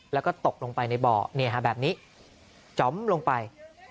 แล้วก็ตกลงไปในบ่อแบบนี้จ๋อมลงไป